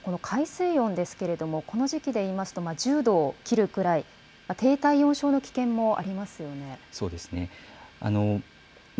この海水温ですけれども、この時期でいいますと、１０度を切るくらい、低体温症の危険もありますそうですね。